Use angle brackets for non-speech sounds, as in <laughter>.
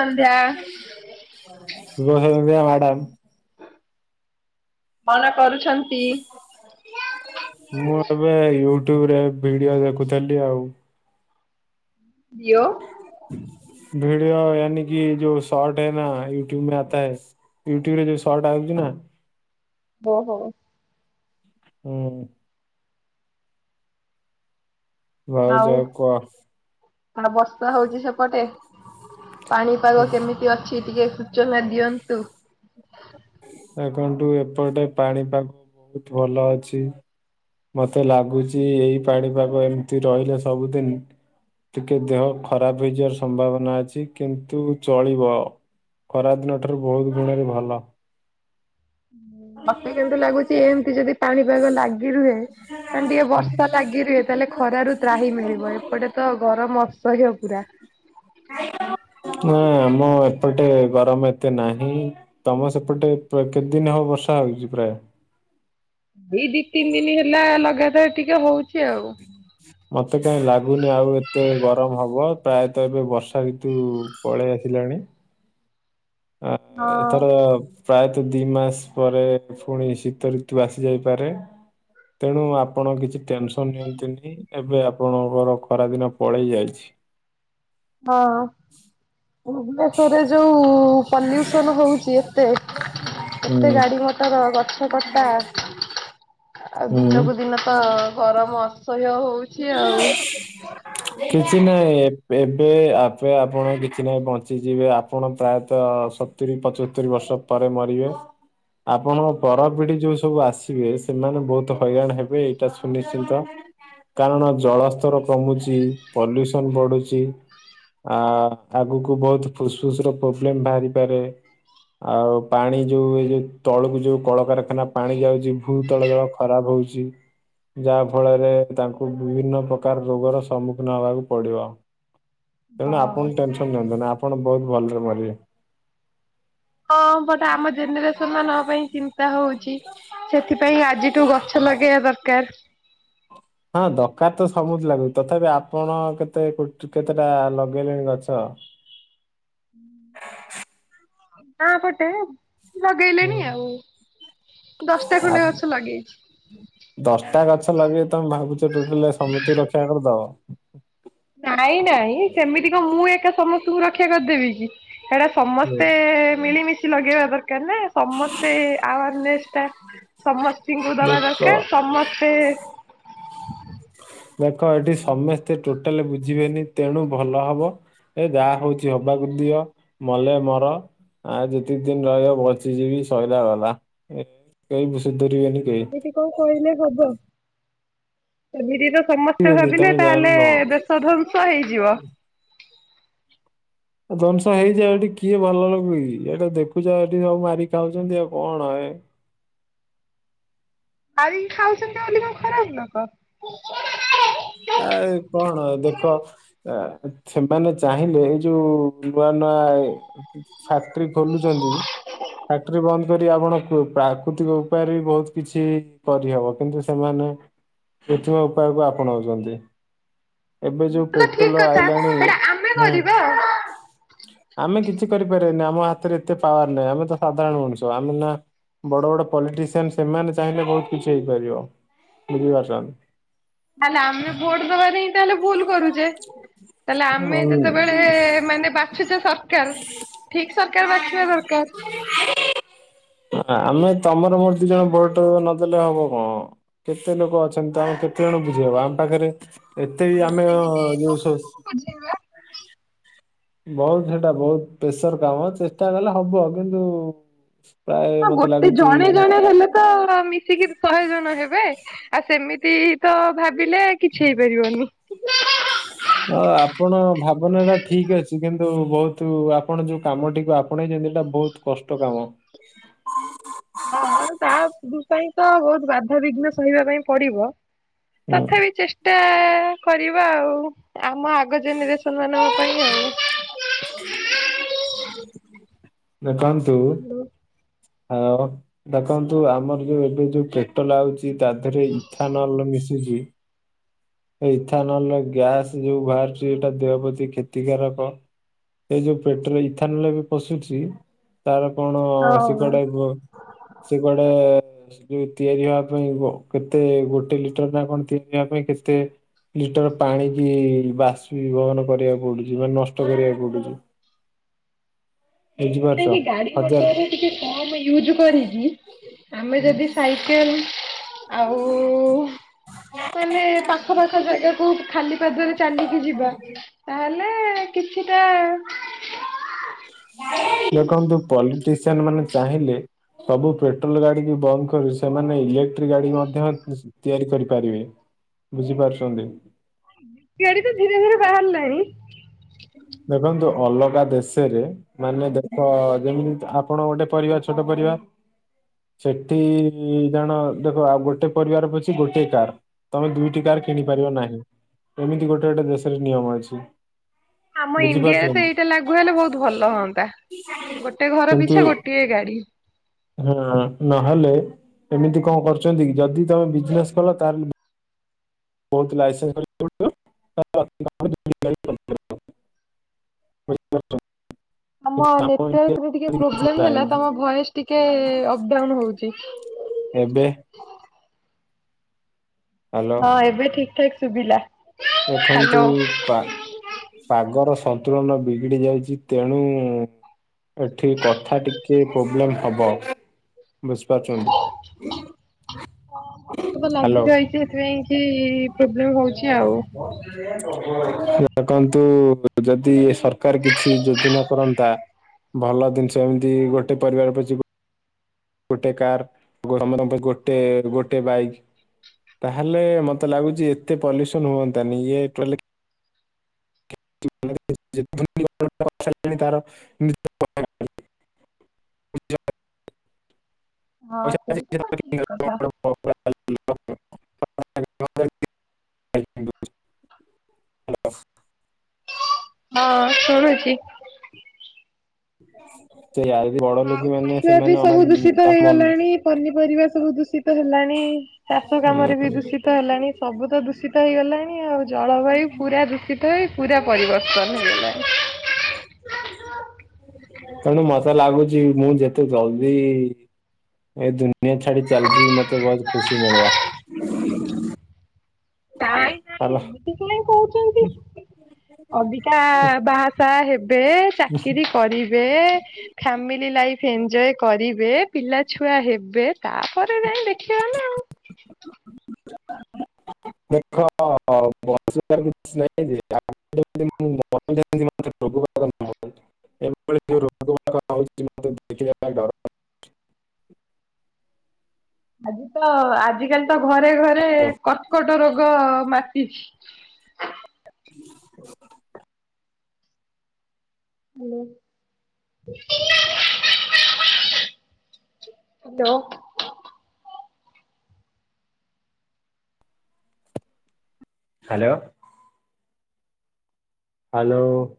ସନ୍ଧ୍ୟା ଶୁଭ ସନ୍ଧ୍ୟା ମ୍ୟାଡ଼ାମ। କଣ କରୁଛନ୍ତି? ମୁଁ ଏବେ ୟୁଟ୍ୟୁବ ରେ ଭିଡିଓ ଦେଖୁଥିଲି ଆଉ। କିଓ ଭିଡିଓ ଆନି କି ଯୋ ଶଟ ହ ନା ୟୁଟ୍ୟୁବ ମ ଆତା ହ ୟୁଟ୍ୟୁବରେ ଯଉ ସଟ୍ ଆଉଛି ନା ଓ ହୋ ହୁଁ ଭାଉଜ ଆଉ କୁହ। କଣ ବର୍ଷା ହଉଛି ସେପଟେ? ପାଣିପାଗ କେମିତି ଅଛି ଟିକେ ସୂଚନା ଦିଅନ୍ତୁ? ଆ କଣଠୁ ଏପଟଟେ ପାଣିପାଗ ବହୁତ ଭଲ ଅଛି। ମତେ ଲାଗୁଚ ଏଇ ପାଣିପାଗ ଏମିତି ରହିଲେ ସବୁଦିନ ଟିକେ ଦେହ ଖରାପ ହେଇଯିବାର ସମ୍ଭାବନା ଅଛି, କିନ୍ତୁ ଚଳିବ। ଖରାଦିନ ଠାରୁ ବହୁତ ଗୁଣରେ ଭଲ। ହୁଁ ମତେ କିନ୍ତୁ ଲାଗୁଛି ଏମତି ଯଦି ପାଣିପାଗ ଲାଗି ରୁହେ କ ଟିକେ ବର୍ଷା ଲାଗି ରୁହେ ତାହେଲେ ଖରାରୁ ତ୍ରାହି ମିଳିବ। ଏପଟେ ତ ଗରମ ଶହେ ପୁରା ନାଇ ଆମ ଏପଟେ ଗରମ ଏତେ ନାହିଁ। ତମର ସେପଟେ ପୁରା କେତେ ଦିନ ହବ ବର୍ଷା ହଉଛି ପ୍ରାୟ? ଏଇ ଦି ତିନି ଦିନ ହେଲା ଲଗାତାର ଟିକେ ହଉଛି। ଆଉ ମତେ କାହିଁ ଲାଗୁନି ଆଉ ଏତେ ଗରମ ହବ, ପ୍ରାୟତଃ ଏବେ ବର୍ଷା ଋତୁ ପଳେଇ ଆସିଲାଣି। ଆ ହଁ ଏଥର ପ୍ରାୟତଃ ଦି ମାସ ପରେ ଫୁଣି ଶୀତ ଋତୁ ଆସି ଯାଇପାରେ। ତେଣୁ ଆପଣ କିଛି ଟେନସନ ନିଅନ୍ତୁନି। ଏବେ ଆପଣଙ୍କର ଖରାଦିନ ପଳେଇ ଯାଇଛି। ହଁ ଭୁବନେଶ୍ଵରରେ ଯୋଉ ପଲ୍ୟୁସନ ହଉଛି ଏତେ ହୁଁ ଏତେ ଗାଡି ମଟର, ଗଛ କଟା ଆଉ ହୁଁ। ଦିନକୁ ଦିନ ତ ଗରମ ଅସହ୍ୟ ହଉଛି। ଆଉ। <inaudible> କିଛି ନାହିଁ ଏବେ ଏବେ ଆପଣ କିଛି ନାହିଁ ବଞ୍ଚିଯିବେ ଆପଣ ପ୍ରାୟତଃ ସତୁରିୀ ପଞ୍ଚସ୍ତରୀ ବର୍ଷ ପରେ ମରିବେ। ଆପଣଙ୍କ ପରପିଢି ଯୋଉ ସବୁ ଆସିବେ ସେମାନେ ବହୁତ ହଇରାଣ ହେବେ ଏଇଟା ସୁନିଶ୍ଚିନ୍ତ। କାରଣ ଜଳସ୍ତର କମୁଛି, ପଲ୍ୟୁସନ ବଢୁଛି। ଆ ଆଗକୁ ବହୁତ ଫୁସଫୁସ ର ପ୍ରୋବ୍ଲେମ ବାହାରିପାରେ। ଆଉ ପାଣି ଯୋଉ ଏ ଯୋଉ ତଳକୁ ଯୋଉ କଳକାରଖାନା ପାଣି ଯାଉଛି ଭୂ ତଳ ଜଳ ଖରାପ ହଉଛି, ଯାହା ଫଳରେ ତାଙ୍କ ବିଭିନ୍ନ ପ୍ରକାର ରୋଗର ସମ୍ମୁଖୀନ ହବାକୁ ପଡିବ, ତେଣୁ ହଁ। ଆପଣ ଟେଂସନ୍ ନିଅନ୍ତୁନି ଆପଣ ବହୁତ ଭଲରେ ମରିବେ। ହଁ ବଟ ଆମ ଜେନେରେସନ ମାନଙ୍କ ପାଇଁ ଚିନ୍ତା ହଉଛି, ସେଥିପାଇଁ ଆଜିଠୁ ଗଛ ଲଗେଇବା ଦରକାର। ହଁ ଦରକାର ତ ସବୁଠୀ ଲାଗୁଛି, ତଥାପି ଆପଣ କେତେ କେତେଟା ଲଗେଇଲେଣି ଗଛ? ହଁ ପଟେ। ଲଗେଇଲିଣି ହୁଁ। ଆଉ ଦଶଟା ଆ ଖଣ୍ଡେ ଗଛ ଲଗେଇଛି। ଦଶଟା ଗଛ ଲଗେଇ ତମେ ଭାବୁଛ ଟୋଟାଲ ସମୁସ୍ତକୁ ରକ୍ଷା କରିଦବ? ନାଇଁ ନାଇଁ ସେମିତି କଣ ମୁଁ ଏକା ସମସ୍ତଙ୍କୁ ରକ୍ଷା କରିଦେବି କି? ସେଟା ସମସ୍ତେ ମିଳିମିଶି ଲଗେଇବା ଦରକାର ନା। ସମସ୍ତେ ଆୱାରନେସ୍ ଟା ସମସ୍ତିଙ୍କୁ ଦବା ଦେଖ ଦରକାର ସମସ୍ତେ ଦେଖ ଏଠି ସମସ୍ତେ ଟୋଟାଲି ବୁଝିବେନି ତେଣୁ ଭଲ ହବ ଏ ଯାହା ହଉଛି ହବାକୁ ଦିଅ ମଲେ ମର ଆ ଯେତିକି ଦିନ ରହିବ ବଞ୍ଚିଯିବି ସଇଲା ଗଲା, କେହି ସୁଧରିବେନି କେହି। ଏମିତି କଣ କହିଲେ ହବ, ଏମିତି ତ ସମସ୍ତେ ରିବେନି, ଭାବିଲେ ତମେ ତାହେଲେ ଜାଣିନ। ଦେଶ ଧ୍ୱଂସ ହେଇଯିବ। ଧ୍ୱଂସ ହେଇଯାଉ ଏଠି କିଏ ଭଲ ଲୋକ କି, ଏଇଟା ଦେଖୁଛ ଏଠି ସବୁ ମାରି ଖାଉଛନ୍ତି ଆଉ କଣ ଏ। ମାରିକି ଖାଉଛନ୍ତି ବୋଲି କଣ ଖରାପ ଲୋକ? ଆ କଣ ଦେଖ, ଆ ସେମାନେ ଚାହିଁଲେ ଏଇ ଯୋଉ ନୂଆ ନୂଆ ଫ୍ୟାକ୍ଟ୍ରି ଖୋଲୁଛନ୍ତି ଫ୍ୟାକ୍ଟ୍ରି ବନ୍ଦ କରି ଆପଣ ପ୍ରାକୃତିକ ଉପାୟରେ ବି ବହୁତ କିଛି କରିହେବ କିନ୍ତୁ ସେମାନେ କୃତ୍ରିମ ଉପାୟକୁ ଆପଣାଉଛନ୍ତି। ଏବେ ଯୋଉ ତ ପେଟ୍ରୋଲ ଠିକ କଥା ଆଇଲାଣି ସେଇଟା ଆମେ ହୁଁ କରିବା ଆଉ। ଆମେ କିଛି କରିପାରିବନି ଆମ ହାତରେ ଏତେ ପାୱାର ନାହିଁ ଆମେ ତ ସାଧାରଣ ମଣିଷ, ଆମେ ନା ବଡ ବଡ ପଲିଟିସିଆନ ସେମାନେ ଚାହିଁଲେ ବହୁତ କିଛି ହେଇପାରିବ, ବୁଝିପାରୁଛନ୍ତି ତାହେଲେ ଆମେ ଭୋଟ ଦବା ନେଇ ତାହେଲେ ଭୁଲ କରୁଛେ, ତାହେଲେ ଆମେ ଯେତେବେଳେ ଉଁ ମାନେ ବା ବାଛୁଚେ, ସରକାର ଠିକ ସରକାର ବାଛିବା ଦରକାର। ଆମେ ତମର ମୋର ଦି ଜଣ ଭୋଟ ନଦେଲେ ହବ କଣ। କେତେ ଲୋକ ଅଛନ୍ତି ତ ଆମେ କେତେ ଜଣ ବୁଝେଇବା, ଆମ ପାଖରେ ଏତେ ବି ଆମେ ଯୋଉ ସୋସ୍ ବୁଝେଇବା। ବହୁତ ସେଇଟା ବହୁତ ପ୍ରେସର କାମ ଚେଷ୍ଟା କଲେ ହବ କିନ୍ତୁ ପ୍ରାୟ ହଁ ମତେ ଗୋଟେ ଲାଗୁଛି ଜଣେ ଜଣେ ହେଲେ ତ ମିଶିକି ଶହେ ଜଣ ହେବେ। ଆଉ ସେମିତି ତ ଭାବିଲେ କିଛି ହେଇପାରିବନି। <unintelligible> ହ ଆପଣ ଭାବନା ଟା ଠିକ ଅଛି କିନ୍ତୁ ବହୁତ ଆପଣ ଯୋଉ କାମଟିକୁ ଆପଣେଇଛନ୍ତି ସେଇଟା ବହୁତ କଷ୍ଟ କାମ। ହଁ ହଁ ଯାହା ଦୁସହିତ ବହୁତ ବାଧାବିଘ୍ନ ସହିବା ପାଇଁ ପଡିବ। ହୁଁ ତଥାପି ଚେଷ୍ଟା କରିବା ଆଉ। ଆମ ଆଗ ଜେନେରେସନ ମାନଙ୍କ ପାଇଁ ଆଉ ଦେଖନ୍ତୁ ହଅ ଦେଖନ୍ତୁ ଆମର ଯୋଉ ଏବେ ଯୋଉ ପେଟଲ ଆଉଛି ତା ଦେହରେ ଏ ଇଥାନଲ ମିଶୁଛି। ଇଥାନଲର ଗ୍ୟାସ ଯୋଉ ବାହାରୁଛି ଏଇଟା ଦେହ ପ୍ରତି କ୍ଷତିକାରକ ସେ ଯୋଉ ପେଟଲ ଇଥାନଲ ବି ପଶୁଛି ତାର କଣ ସେ ହଁ କଡାକୁ ସେ କୁଆଡ଼େ ସେ ତିଆରି ହବା ପାଇଁ କେତେ ଗୋଟେ ଲିଟର ନା କଣ ତିଆରି ହେବା ପାଇଁ କେତେ ଲିଟର ପାଣି କି ବାଷ୍ପି ବିବହନ କରିବାକୁ ପଡୁଛି ମାନେ ନଷ୍ଟ କରିବାକୁ ପଡୁଛି। ବୁଝିପାରୁଛ ନାଇଁକି ଗାଡି ହଜାର ମଟରରେ ଟିକେ କମ ୟୁଜ୍ କରିିକି। ଆମେ ଉଁ, ଯଦି ସାଇକେଲ ଆଉ ମାନେ ପାଖ ପାଖ ଜାଗାକୁ ଖାଲି ପାଦରେ ଚାଲିକି ଯିବା। ତାହେଲେ କିଛିଟା। ଦେଖନ୍ତୁ ପଲିଟିସିଆନ ମାନେ ଚାହିଁଲେ। ସବୁ ପେଟ୍ରୋଲ ଗାଡି କୁ ବନ୍ଦ କରି ସେମାନେ ଇଲେକ୍ଟ୍ରିକ ଗାଡି ମଧ୍ୟ। ତିଆରି କରିପାରିବେ ବୁଝିପାରୁଛନ୍ତି। ଇଆଡି ତ ଧୀରେ ଧୀରେ ବାହାରିଲାଣି। ଦେଖନ୍ତୁ ଅଲଗା ଦେଶରେ ମାନେ ଦେଖ ଯେମିତି ଆପଣ ଗୋଟେ ପରିବାର ଛୋଟ ପରିବାର। ସେଠି ଜାଣ ଦେଖ ଆଉ ଗୋଟେ ପରିବାର ପିଛି ଗୋଟେ କାର। ତମେ ଦୁଇଟି କାର କିଣି ପାରିବ ନାହିଁ ଏମିତି ଗୋଟେ ଗୋଟେ ଦେଶରେ ନିୟମ ଅଛି। ଆମ ଇଣ୍ଡିଆରେ ତ ବୁଝିପାରୁଛନ୍ତି ଏଇଟା ଲାଗୁ ହେଲେ ବହୁତ ଭଲ ହୁଅନ୍ତା। ଗୋଟେ ଘର କିନ୍ତୁ ପିଛା ଗୋଟିଏ ଗାଡି। ହଁ ନହେଲେ ଏମିତି କଣ କରୁଛନ୍ତି କି ଯଦି ତମେ ବିଜିନେସ କଲ ତାହେଲେ ବହୁତ ଲାଇସେନ୍ସ କରିବାକୁ ପଡିବ। ଆମ ଇଣ୍ଡିଆରେ ନେଟୱାର୍କରେ ଟିକେ ସେମିତି କିଛି ପ୍ରୋବ୍ଲେମ୍ ହେଲା ନାହିଁ ତମ ଭଏସ ଟିକେ ଅପଡାଉନ ହଉଛି। ଏବେ। ହ୍ୟାଲୋ ହଁ ଏବେ ଠିକ ଠାକ ଶୁଭିଲା। ଦେଖନ୍ତୁ। ହ୍ୟାଲୋ। ପା ପାଗର ସନ୍ତୁଳନ ବିଗିଡି ଯାଇଛି ତେଣୁ। ଏଠି କଥା ଟିକେ ପ୍ରୋବ୍ଲେମ ହବ ବୁଝିପାରୁଛନ୍ତି। ହଁ ବର୍ଷାତ ହ୍ୟାଲୋ ଲାଗିଯାଇଛି ସେଥିପାଇଁକି ପ୍ରୋବ୍ଲେମ ହଉଛି ଆଉ। ଦେଖନ୍ତୁ ଯଦି ସରକାର କିଛି ଯୋଜନା କରନ୍ତା। ଭଲ ଜିନିଷ ଏମିତି ଗୋଟେ ପରିବାର ପି ଗୋଟେ କାର ସମସ୍ତଙ୍କ ପାଇଁ ଗୋଟେ ଗୋଟେ ବାଇକ୍। ତାହେଲେ ମତେ ଲାଗୁଛି ଏତେ ପଲ୍ୟୁସନ ହୁଅନ୍ତାନି ଇଏ। <unintelligible> ହଁ ସେଇଟା ତ ଠିକ <unintelligible> କଥା। ହଁ ଶୁଣୁଛି। ହ <unintelligible> ଏବେ ଅମାନ ସବୁ ଦୂଷିତ ତାଙ୍କ ମନ ହେଇଗଲାଣି ପନିପରିବା ସବୁ ଦୂଷିତ ତ ହେଲାଣି ଚାଷ କାମରେ ବି ଦୂଷିତ ହେଲାଣି ସବୁତ ଦୂଷିତ ହେଇଗଲାଣି ଆଉ ଜଳବାୟୁ। ପୁରା ଦୂଷିତ ହେ ପୁରା ପରିବର୍ତ୍ତନ ହେଇଗଲାଣି। ତେଣୁ ମତେ ଲାଗୁଛି ମୁଁ ଯେତେ ଜଲଦି ଏଇ ଦୁନିଆ ଛାଡି ଚାଲି ଯିବି ମତେ ବହୁତ ଖୁସି ମିଳିବ ନାଇ ନାଇଁ ହେଲା। ଏମିତି କାଇଁ କହୁଛନ୍ତି। ଅବିକା ବାହାସା ହେବେ ଚାକିରି କରିବେ। ଫାମିଲି ଲାଇଫ ଏଞଜୟ କରିବେ ପିଲାଛୁଆ ହେବେ ତାପରେ ଯାଇ ଦେଖିବ ନା ଆଉ ଦେଖ <unintelligible> <unintelligible> ବଁ ମୁ <unintelligible> ଏମ ଯ ରୋଗ ଗୁଡା ରଛି ମେ ଦେଖଡ। ଆଜି ତ ଆଜିିକାଲି ତ ଘରେ ଘରେ କର୍କଟ ରୋଗ ମାତିଛି। <inaudible> ହ୍ୟାଲୋ। <unintelligible> ହାଲୋ। ହାଲୋ। ହାଲୋ।